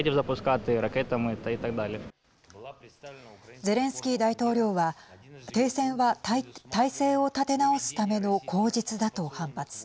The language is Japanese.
ゼレンスキー大統領は停戦は態勢を立て直すための口実だと反発。